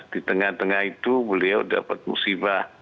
di tengah tengah itu beliau dapat musibah